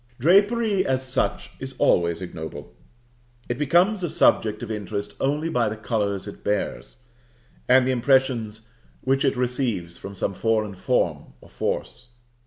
Drapery, as such, is always ignoble; it becomes a subject of interest only by the colors it bears, and the impressions which it receives from some foreign form or force.